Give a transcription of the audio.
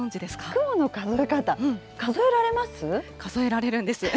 雲の数え方？数えられます？数えられるんです。